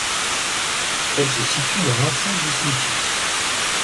Elle se situe dans l'enceinte du cimetière.